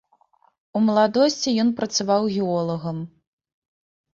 У маладосці ён працаваў геолагам.